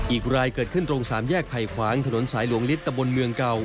อีกรายเกิดขึ้นตรงสามแยกไผ่ขวางถนนสายหลวงฤทธตะบนเมืองเก่า